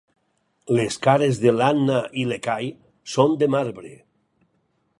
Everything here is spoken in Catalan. Les cares de l'Anna i l'Ekahi són de marbre.